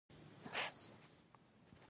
دا په اووه لس او یو سوه میلادي کال کې و